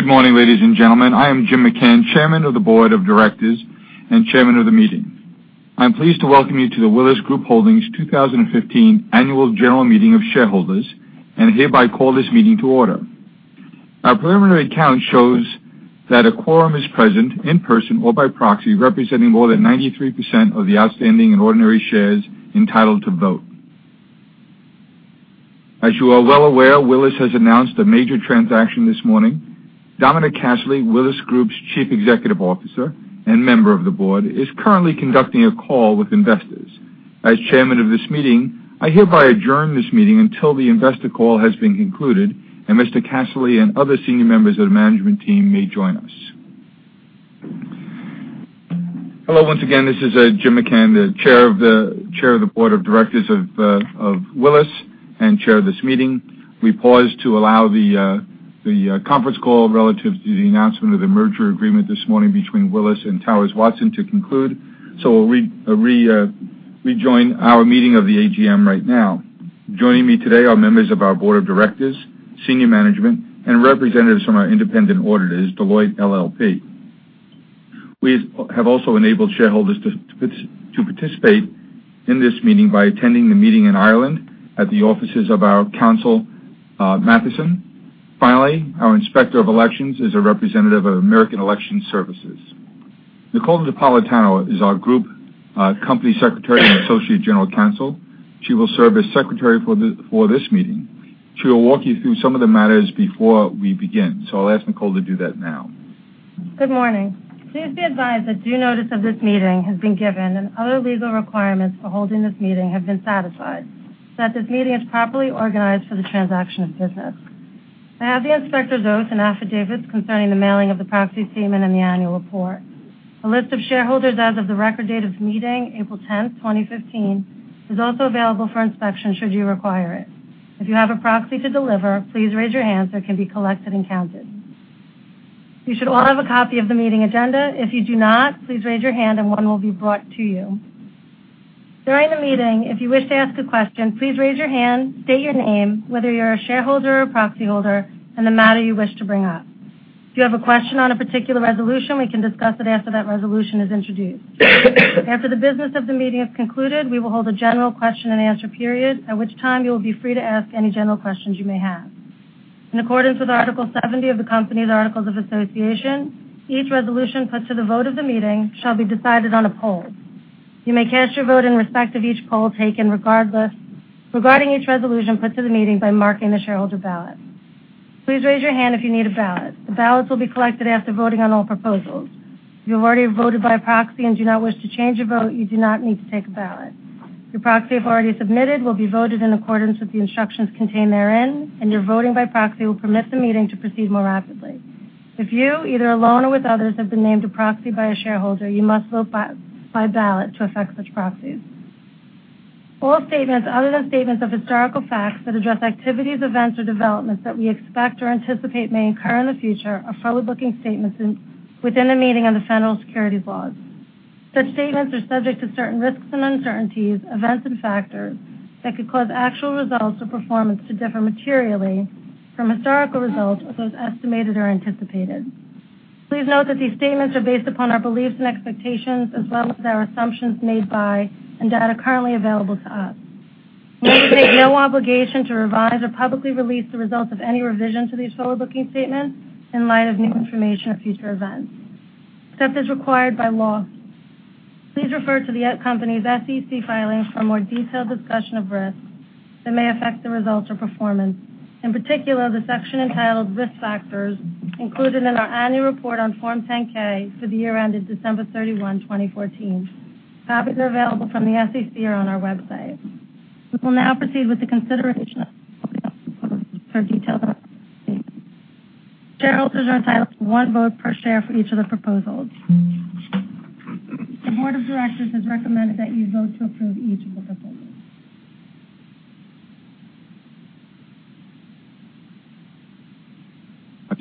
Good morning, ladies and gentlemen. I am Jim McCann, Chairman of the Board of Directors and Chairman of the meeting. I'm pleased to welcome you to the Willis Group Holdings 2015 Annual General Meeting of Shareholders, and hereby call this meeting to order. Our preliminary count shows that a quorum is present in person or by proxy, representing more than 93% of the outstanding and ordinary shares entitled to vote. As you are well aware, Willis has announced a major transaction this morning. Dominic Casserley, Willis Group's Chief Executive Officer and member of the board, is currently conducting a call with investors. As chairman of this meeting, I hereby adjourn this meeting until the investor call has been concluded and Mr. Casserley and other senior members of the management team may join us. Hello once again, this is Jim McCann, the Chair of the Board of Directors of Willis, and Chair of this meeting. We pause to allow the conference call relative to the announcement of the merger agreement this morning between Willis and Towers Watson to conclude. We rejoin our meeting of the AGM right now. Joining me today are members of our board of directors, senior management, and representatives from our independent auditors, Deloitte LLP. We have also enabled shareholders to participate in this meeting by attending the meeting in Ireland at the offices of our counsel, Matheson. Finally, our Inspector of Elections is a representative of American Election Services. Nicole Catalano is our Group Company Secretary and Associate General Counsel. She will serve as Secretary for this meeting. She will walk you through some of the matters before we begin. I'll ask Nicole to do that now. Good morning. Please be advised that due notice of this meeting has been given and other legal requirements for holding this meeting have been satisfied, so that this meeting is properly organized for the transaction of business. I have the inspector's oath and affidavits concerning the mailing of the proxy statement and the annual report. A list of shareholders as of the record date of the meeting, April 10th, 2015, is also available for inspection should you require it. If you have a proxy to deliver, please raise your hand so it can be collected and counted. You should all have a copy of the meeting agenda. If you do not, please raise your hand and one will be brought to you. During the meeting, if you wish to ask a question, please raise your hand, state your name, whether you're a shareholder or proxy holder, and the matter you wish to bring up. If you have a question on a particular resolution, we can discuss it after that resolution is introduced. After the business of the meeting is concluded, we will hold a general question and answer period, at which time you will be free to ask any general questions you may have. In accordance with Article 70 of the company's articles of association, each resolution put to the vote of the meeting shall be decided on a poll. You may cast your vote in respect of each poll taken regarding each resolution put to the meeting by marking the shareholder ballot. Please raise your hand if you need a ballot. The ballots will be collected after voting on all proposals. If you've already voted by proxy and do not wish to change your vote, you do not need to take a ballot. Your proxy, if already submitted, will be voted in accordance with the instructions contained therein, and your voting by proxy will permit the meeting to proceed more rapidly. If you, either alone or with others, have been named a proxy by a shareholder, you must vote by ballot to affect such proxies. All statements other than statements of historical facts that address activities, events, or developments that we expect or anticipate may occur in the future are forward-looking statements within the meaning of the federal securities laws. Such statements are subject to certain risks and uncertainties, events, and factors that could cause actual results or performance to differ materially from historical results or those estimated or anticipated. Please note that these statements are based upon our beliefs and expectations as well as our assumptions made by and data currently available to us. We undertake no obligation to revise or publicly release the results of any revision to these forward-looking statements in light of new information or future events, except as required by law. Please refer to the company's SEC filings for a more detailed discussion of risks that may affect the results or performance. In particular, the section entitled Risk Factors included in our annual report on Form 10-K for the year ended December 31, 2014. Copies are available from the SEC or on our website. We will now proceed with the consideration for detailed. Shareholders are entitled to one vote per share for each of the proposals. The board of directors has recommended that you vote to approve each of the proposals.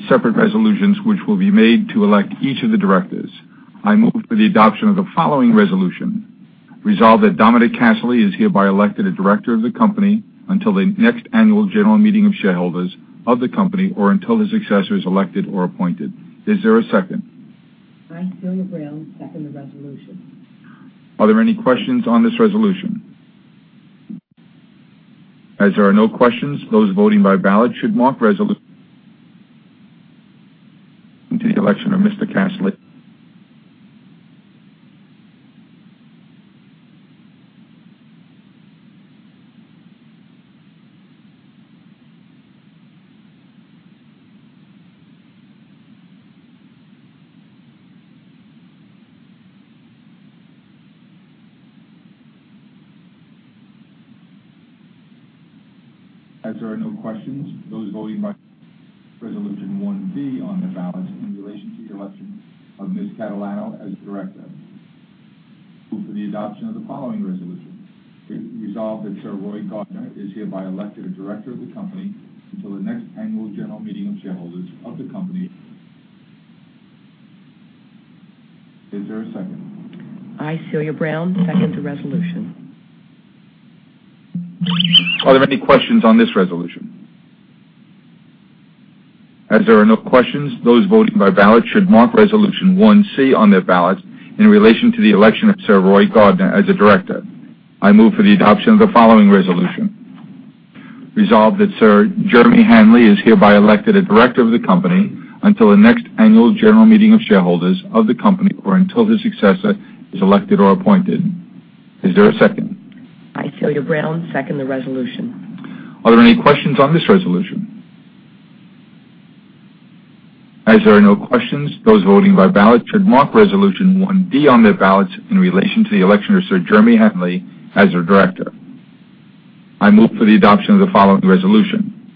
Separate resolutions which will be made to elect each of the directors. I move for the adoption of the following resolution. Resolve that Dominic Casserley is hereby elected a director of the company until the next annual general meeting of shareholders of the company or until his successor is elected or appointed. Is there a second? I, Sylvia Brail, second the resolution. Are there any questions on this resolution? As there are no questions, those voting by ballot should mark resolution to the election of Mr. Casserley. As there are no questions, those voting by Resolution 1B on their ballots in relation to the election of Ms. Catalano as director. Move for the adoption of the following resolution. Resolve that Sir Roy Gardner is hereby elected a director of the company until the next annual general meeting of shareholders of the company. Is there a second? I, Celia Brown, second the resolution. Are there any questions on this resolution? As there are no questions, those voting by ballot should mark Resolution 1C on their ballots in relation to the election of Sir Roy Gardner as a director. I move for the adoption of the following resolution. Resolved that Sir Jeremy Hanley is hereby elected a director of the company until the next annual general meeting of shareholders of the company, or until his successor is elected or appointed. Is there a second? I, Celia Brown, second the resolution. Are there any questions on this resolution? As there are no questions, those voting by ballot should mark Resolution 1D on their ballots in relation to the election of Sir Jeremy Hanley as a director. I move for the adoption of the following resolution.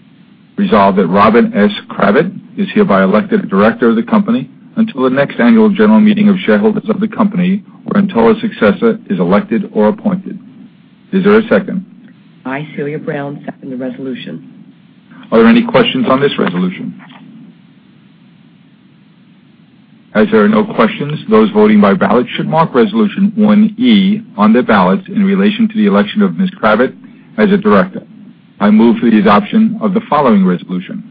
Resolved that Robyn S. Kravit is hereby elected a director of the company until the next annual general meeting of shareholders of the company, or until a successor is elected or appointed. Is there a second? I, Celia Brown, second the resolution. Are there any questions on this resolution? As there are no questions, those voting by ballot should mark Resolution 1E on their ballots in relation to the election of Ms. Kravit as a director. I move for the adoption of the following resolution.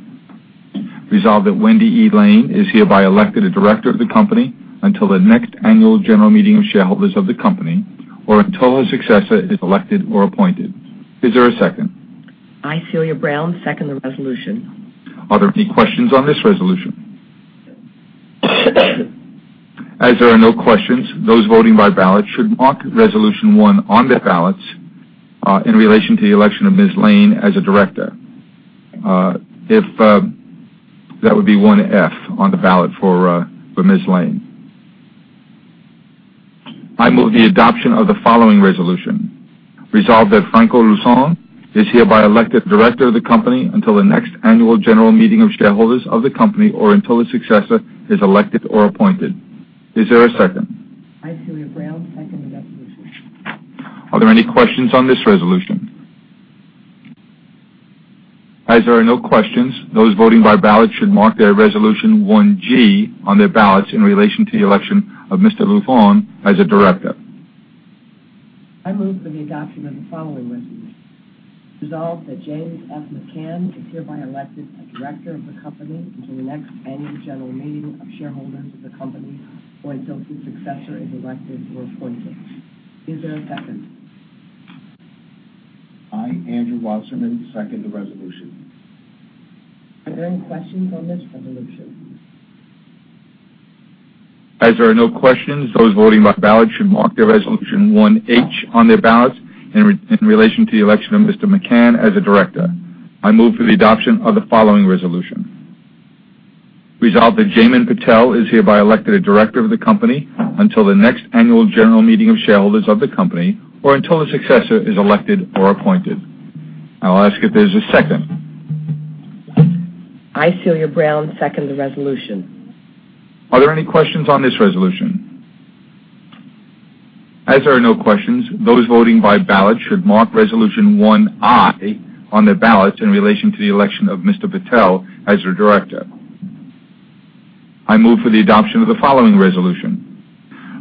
Resolved that Wendy E. Lane is hereby elected a director of the company until the next annual general meeting of shareholders of the company, or until a successor is elected or appointed. Is there a second? I, Celia Brown, second the resolution. Are there any questions on this resolution? As there are no questions, those voting by ballot should mark Resolution 1 on their ballots, in relation to the election of Ms. Lane as a director. That would be 1F on the ballot for Ms. Lane. I move the adoption of the following resolution. Resolved that Francisco Luzón is hereby elected director of the company until the next annual general meeting of shareholders of the company, or until a successor is elected or appointed. Is there a second? I, Celia Brown, second the resolution. Are there any questions on this resolution? As there are no questions, those voting by ballot should mark their Resolution 1G on their ballots in relation to the election of Mr. Luzón as a director. I move for the adoption of the following resolution. Resolved that James F. McCann is hereby elected a director of the company until the next annual general meeting of shareholders of the company, or until his successor is elected or appointed. Is there a second? I, Andrew Wasserman, second the resolution. Are there any questions on this resolution? There are no questions, those voting by ballot should mark their Resolution 1H on their ballots in relation to the election of Mr. McCann as a director. I move for the adoption of the following resolution.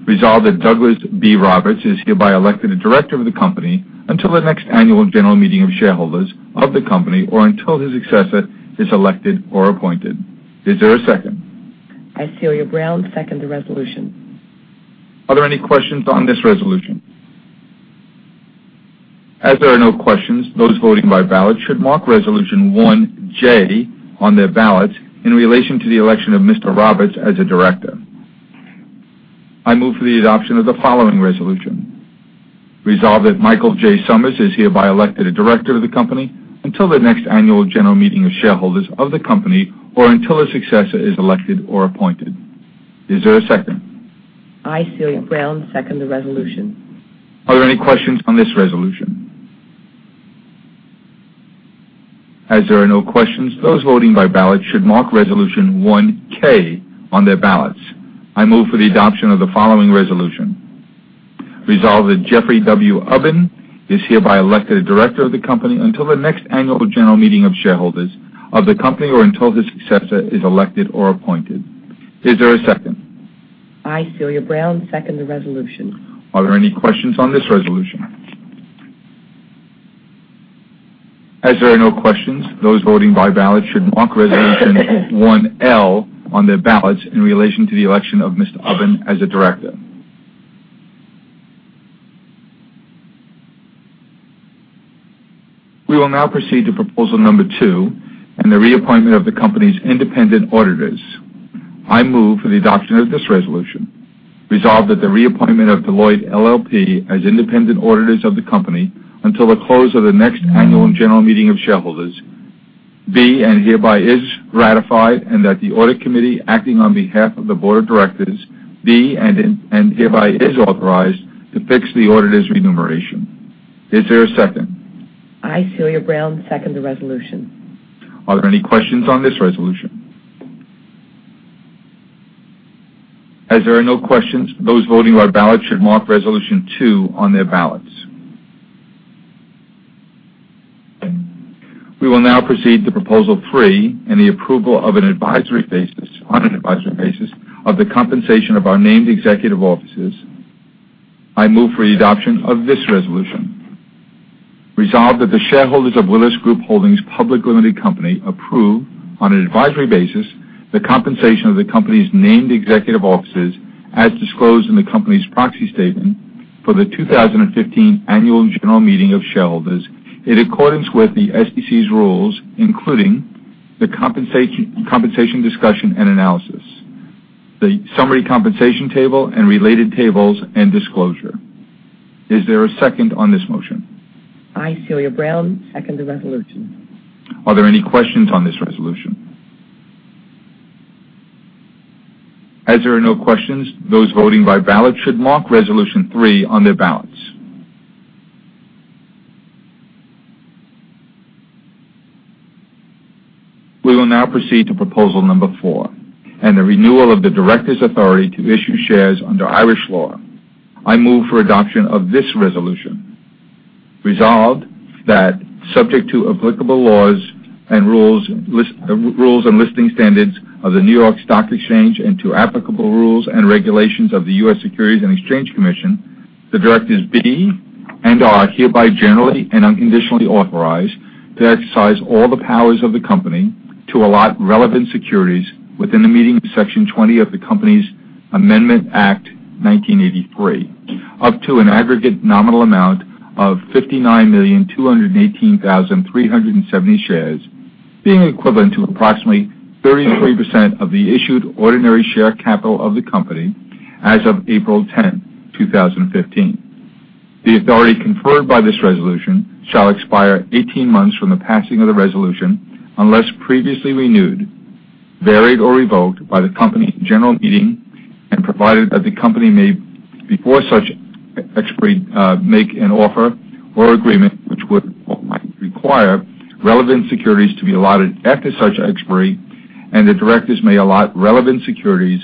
Resolved that Jaymin Patel is hereby elected a director of the company until the next annual general meeting of shareholders of the company, or until a successor is elected or appointed. I'll ask if there's a second. I, Celia Brown, second the resolution. I, Celia Brown, second the resolution. Are there any questions on this resolution? As there are no questions, those voting by ballot should mark Resolution 1K on their ballots. I move for the adoption of the following resolution. Resolved that Jeffrey W. Ubben is hereby elected a director of the company until the next annual general meeting of shareholders of the company, or until his successor is elected or appointed. Is there a second? I, Celia Brown, second the resolution. Are there any questions on this resolution? As there are no questions, those voting by ballot should mark Resolution 1L on their ballots in relation to the election of Mr. Ubben as a director. We will now proceed to proposal number 2 and the reappointment of the company's independent auditors. I move for the adoption of this resolution. Resolved that the reappointment of Deloitte LLP as independent auditors of the company until the close of the next annual and general meeting of shareholders, be and hereby is ratified and that the audit committee acting on behalf of the board of directors, be and hereby is authorized to fix the auditor's remuneration. Is there a second? I, Celia Brown, second the resolution. Are there any questions on this resolution? As there are no questions, those voting by ballot should mark Resolution 2 on their ballots. We will now proceed to proposal 3 and the approval on an advisory basis of the compensation of our named executive officers. I move for the adoption of this resolution. Resolved that the shareholders of Willis Group Holdings public limited company approve, on an advisory basis, the compensation of the company's named executive officers as disclosed in the company's proxy statement for the 2015 annual general meeting of shareholders, in accordance with the SEC's rules, including the compensation discussion and analysis, the summary compensation table and related tables and disclosure. Is there a second on this motion? I, Celia Brown, second the resolution. Are there any questions on this resolution? As there are no questions, those voting by ballot should mark Resolution 3 on their ballots. We will now proceed to proposal number 4 and the renewal of the directors' authority to issue shares under Irish law. I move for adoption of this resolution. Resolved that, subject to applicable laws and rules and listing standards of the New York Stock Exchange and to applicable rules and regulations of the U.S. Securities and Exchange Commission, the directors be and are hereby generally and unconditionally authorized to exercise all the powers of the company to allot relevant securities within the meaning of Section 20 of the Companies (Amendment) Act 1983, up to an aggregate nominal amount of 59,218,370 shares, being equivalent to approximately 33% of the issued ordinary share capital of the company as of April 10th, 2015. The authority conferred by this resolution shall expire 18 months from the passing of the resolution, unless previously renewed, varied, or revoked by the company's general meeting and provided that the company may, before such expiry, make an offer or agreement which would or might require relevant securities to be allotted after such expiry, and the directors may allot relevant securities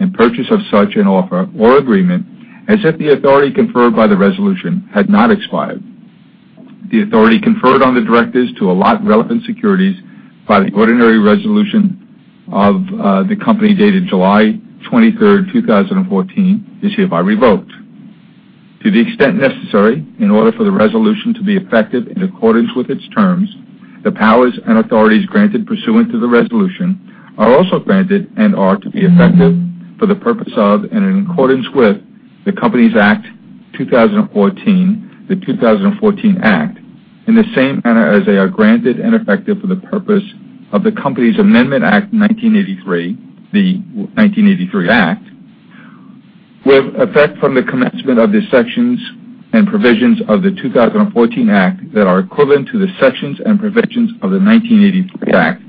in purchase of such an offer or agreement, as if the authority conferred by the resolution had not expired. The authority conferred on the directors to allot relevant securities by the ordinary resolution of the company dated July 23rd, 2014, is hereby revoked. To the extent necessary, in order for the resolution to be effective in accordance with its terms, the powers and authorities granted pursuant to the resolution are also granted and are to be effective for the purpose of and in accordance with the Companies Act 2014, the 2014 Act, in the same manner as they are granted and effective for the purpose of the Company's Amendment Act 1983, the 1983 Act, with effect from the commencement of the sections and provisions of the 2014 Act that are equivalent to the sections and provisions of the 1983 Act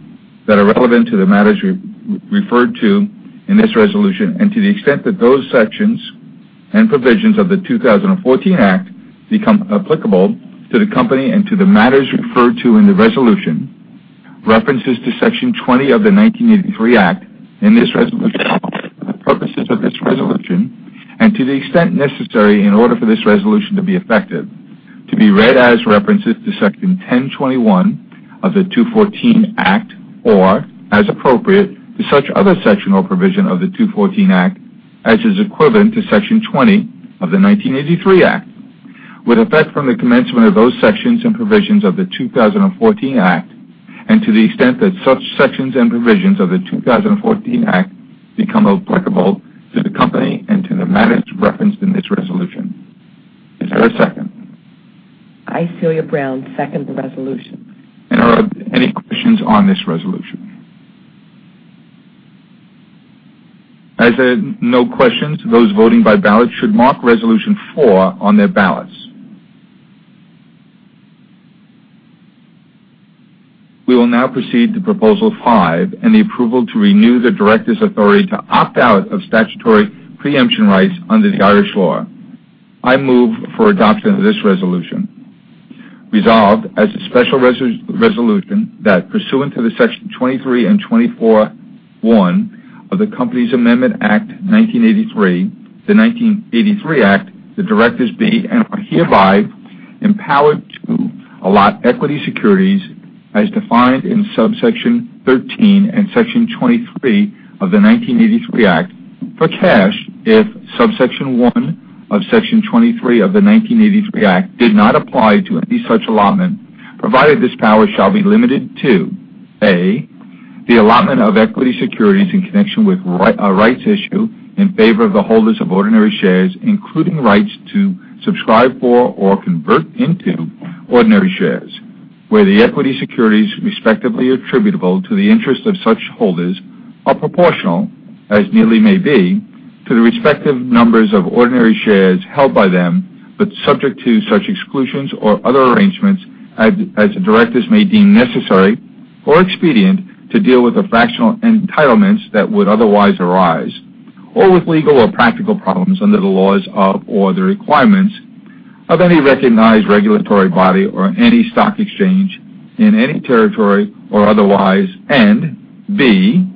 that are relevant to the matters referred to in this resolution. To the extent that those sections and provisions of the 2014 Act become applicable to the company and to the matters referred to in the resolution. References to Section 20 of the 1983 Act in this resolution, for the purposes of this resolution, and to the extent necessary in order for this resolution to be effective, to be read as references to Section 1021 of the 2014 Act or, as appropriate, to such other section or provision of the 2014 Act as is equivalent to Section 20 of the 1983 Act, with effect from the commencement of those sections and provisions of the 2014 Act, and to the extent that such sections and provisions of the 2014 Act become applicable to the company and to the matters referenced in this resolution. Is there a second? I, Celia Brown, second the resolution. Are any questions on this resolution? As there are no questions, those voting by ballot should mark resolution four on their ballots. We will now proceed to proposal five and the approval to renew the directors' authority to opt out of statutory preemption rights under the Irish law. I move for adoption of this resolution. Resolved as a special resolution that pursuant to Section 23 and 24 of the Companies (Amendment) Act 1983, the 1983 Act, the directors be and are hereby empowered to allot equity securities as defined in subsection 13 and Section 23 of the 1983 Act for cash if subsection one of Section 23 of the 1983 Act did not apply to any such allotment, provided this power shall be limited to, A, the allotment of equity securities in connection with a rights issue in favor of the holders of ordinary shares, including rights to subscribe for or convert into ordinary shares, where the equity securities respectively attributable to the interest of such holders are proportional, as nearly may be, to the respective numbers of ordinary shares held by them, but subject to such exclusions or other arrangements as the directors may deem necessary or expedient to deal with the fractional entitlements that would otherwise arise, or with legal or practical problems under the laws of, or the requirements of any recognized regulatory body or any stock exchange in any territory or otherwise. B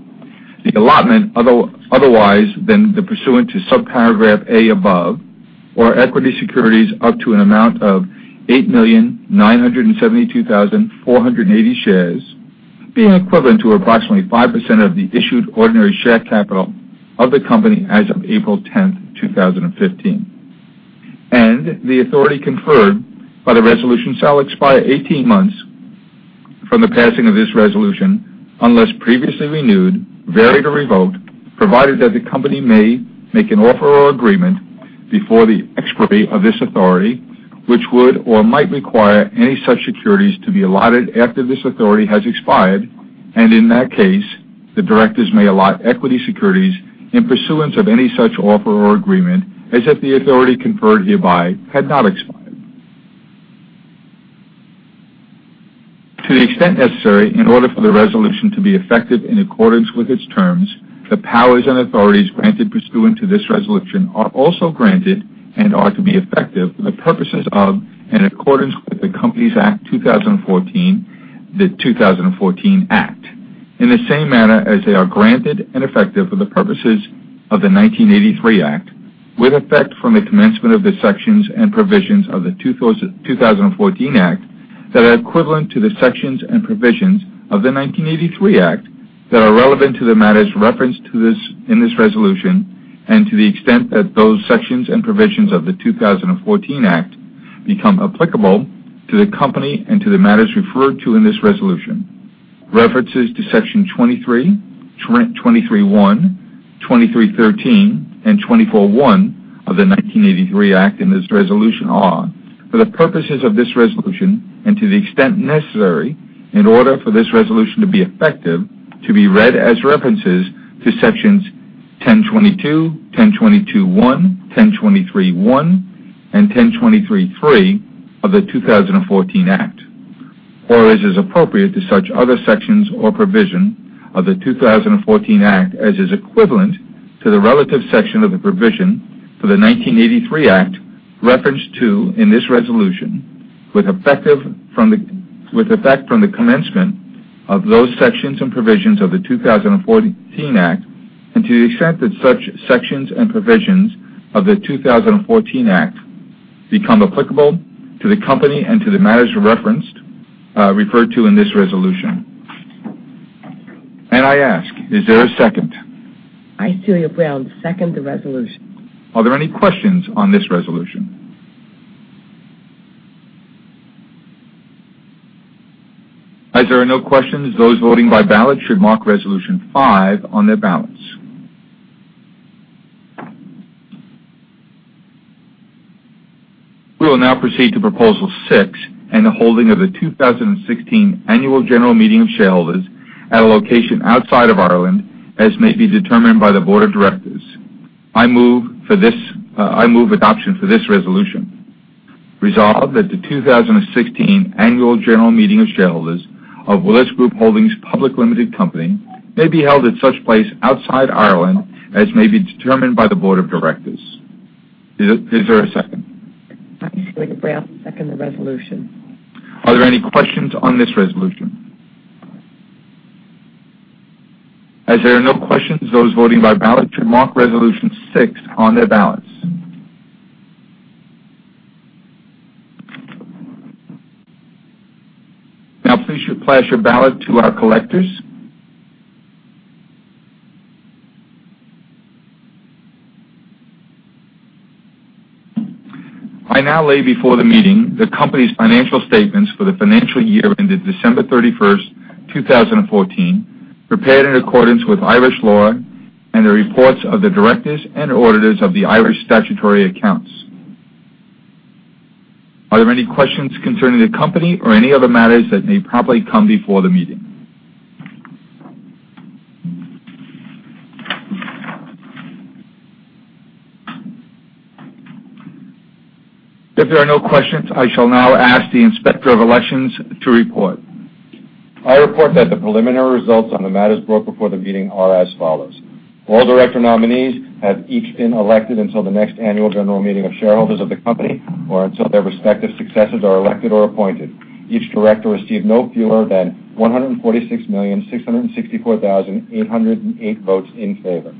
The allotment otherwise than pursuant to subparagraph A above or equity securities up to an amount of 8,972,480 shares, being equivalent to approximately 5% of the issued ordinary share capital of the company as of April 10th, 2015. The authority conferred by the resolution shall expire 18 months from the passing of this resolution, unless previously renewed, varied, or revoked, provided that the company may make an offer or agreement before the expiry of this authority, which would or might require any such securities to be allotted after this authority has expired, and in that case, the directors may allot equity securities in pursuance of any such offer or agreement as if the authority conferred hereby had not expired. To the extent necessary, in order for the resolution to be effective in accordance with its terms, the powers and authorities granted pursuant to this resolution are also granted and are to be effective for the purposes of and accordance with the Companies Act 2014, the 2014 Act. In the same manner as they are granted and effective for the purposes of the 1983 Act, with effect from the commencement of the sections and provisions of the 2014 Act that are equivalent to the sections and provisions of the 1983 Act that are relevant to the matters referenced in this resolution, and to the extent that those sections and provisions of the 2014 Act become applicable to the company and to the matters referred to in this resolution. References to Section 23.1, 23.13, and 24.1 of the 1983 Act in this resolution are for the purposes of this resolution and to the extent necessary, in order for this resolution to be effective, to be read as references to Sections 10.22, 10.22.1, 10.23.1, and 10.23.3 of the 2014 Act. As is appropriate to such other sections or provision of the 2014 Act as is equivalent to the relative section of the provision for the 1983 Act, referenced to in this resolution with effect from the commencement of those sections and provisions of the 2014 Act, and to the extent that such sections and provisions of the 2014 Act become applicable to the company and to the matters referred to in this resolution. I ask, is there a second? I, Celia Brown, second the resolution. Are there any questions on this resolution? As there are no questions, those voting by ballot should mark resolution five on their ballots. We will now proceed to proposal six and the holding of the 2016 annual general meeting of shareholders at a location outside of Ireland, as may be determined by the board of directors. I move adoption for this resolution. Resolved that the 2016 annual general meeting of shareholders of Willis Group Holdings Public Limited Company may be held at such place outside Ireland as may be determined by the board of directors. Is there a second? I, Celia Brown, second the resolution. Are there any questions on this resolution? There are no questions, those voting by ballot should mark resolution six on their ballots. Now, please pledge your ballot to our collectors. I now lay before the meeting the company's financial statements for the financial year ended December 31st, 2014, prepared in accordance with Irish law and the reports of the directors and auditors of the Irish statutory accounts. Are there any questions concerning the company or any other matters that may probably come before the meeting? If there are no questions, I shall now ask the Inspector of Elections to report. I report that the preliminary results on the matters brought before the meeting are as follows. All director nominees have each been elected until the next Annual General Meeting of shareholders of the company, or until their respective successors are elected or appointed. Each director received no fewer than 146,664,808 votes in favor.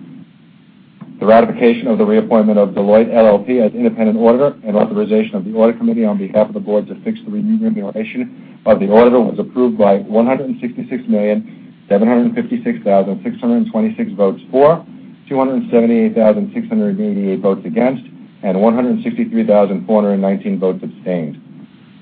The ratification of the reappointment of Deloitte LLP as independent auditor and authorization of the audit committee on behalf of the board to fix the remuneration of the auditor was approved by 166,756,626 votes for, 278,688 votes against, and 163,419 votes abstained.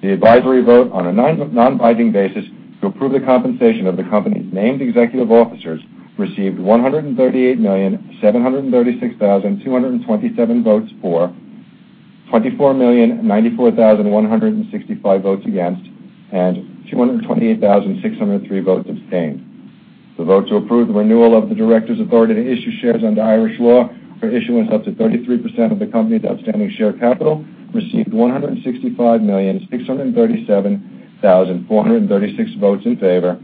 The advisory vote on a non-binding basis to approve the compensation of the company's named executive officers received 138,736,227 votes for, 24,094,165 votes against, and 228,603 votes abstained. The vote to approve the renewal of the directors' authority to issue shares under Irish law for issuance up to 33% of the company's outstanding share capital received 165,637,436 votes in favor,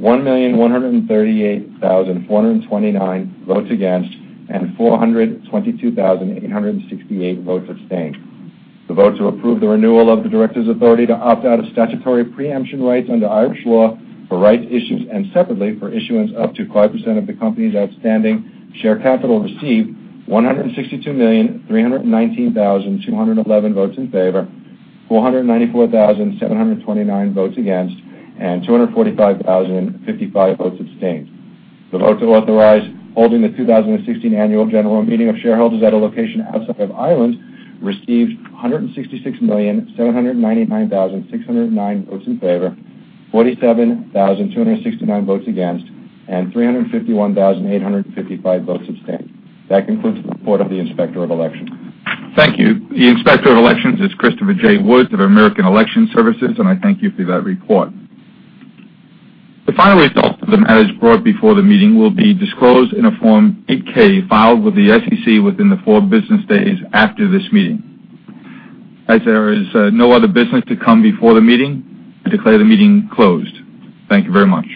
1,138,429 votes against, and 422,868 votes abstained. The vote to approve the renewal of the directors' authority to opt out of statutory preemption rights under Irish law for rights issues and separately for issuance up to 5% of the company's outstanding share capital received 162,319,211 votes in favor, 494,729 votes against, and 245,055 votes abstained. The vote to authorize holding the 2016 Annual General Meeting of shareholders at a location outside of Ireland received a hundred and sixty-six million seven hundred and ninety-nine thousand six hundred and nine votes in favor, 47,269 votes against, and 351,855 votes abstained. That concludes the report of the Inspector of Elections. Thank you. The Inspector of Elections is Christopher J. Wood of American Election Services, and I thank you for that report. The final results of the matters brought before the meeting will be disclosed in a Form 8-K filed with the SEC within the four business days after this meeting. As there is no other business to come before the meeting, I declare the meeting closed. Thank you very much.